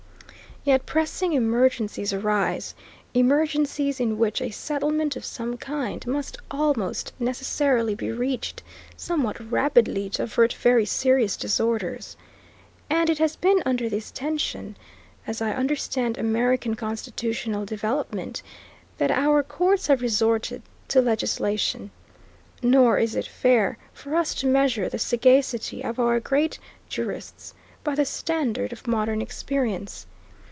Yet pressing emergencies arise, emergencies in which a settlement of some kind must almost necessarily be reached somewhat rapidly to avert very serious disorders, and it has been under this tension, as I understand American constitutional development, that our courts have resorted to legislation. Nor is it fair for us to measure the sagacity of our great jurists by the standard of modern experience.